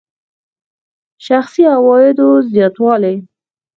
شخصي عوایدو زیاتوالی.